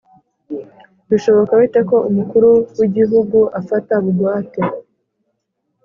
bishoboka bite ko umukuru w'igihugu afata bugwate